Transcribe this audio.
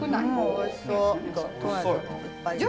おいしそうやな。